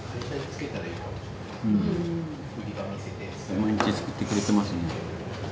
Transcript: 毎日作ってくれてますね。